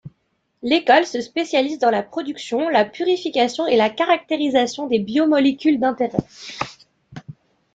L’école se spécialise dans la production, la purification et la caractérisation des biomolécules d’intérêt.